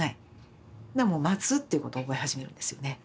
待つっていうことを覚え始めるんですよね。